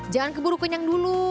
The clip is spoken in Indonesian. jangan keburu kenyang dulu